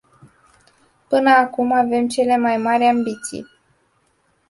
Până acum avem cele mai mari ambiții.